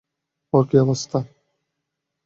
ওর কী অবস্থা?